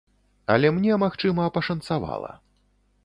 Але мне, магчыма, пашанцавала.